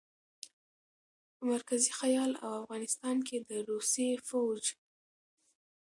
مرکزي خيال او افغانستان کښې د روسي فوج